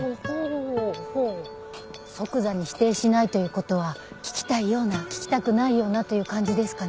即座に否定しないということは聞きたいような聞きたくないようなという感じですかね？